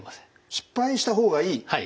失敗した方がいい？